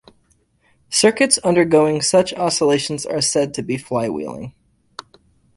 Circuits undergoing such oscillations are said to be flywheeling.